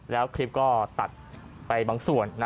แล้วคลิปก็ตัดไปบางส่วน